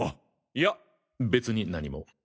いや別になにも。